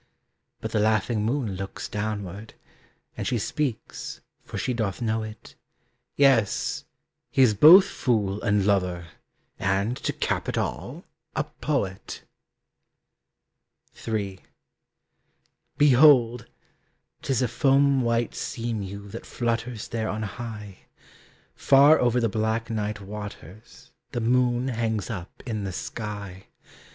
But the laughing moon looks downward, And she speaks, for she doth know it: "Yes, he is both fool and lover, And, to cap it all, a poet!" III. Behold! 'tis a foam white sea mew That flutters there on high. Far over the black night waters The moon hangs up in the sky.